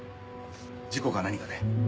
事故か何かで？